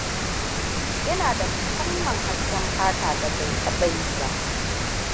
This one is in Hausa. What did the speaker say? Ina da musamman haske fata da bai taba yi ba.